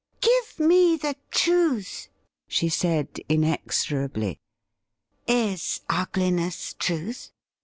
' Give me the truth,' she said inexorably. ' Is ugliness truth